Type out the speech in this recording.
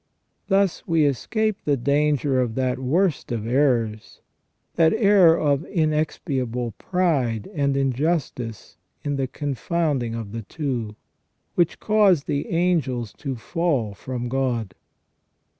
Thus we escape the danger of that worst of errors, that error of inexpiable pride and injustice in the confounding of the two, which caused the angels to fall from God.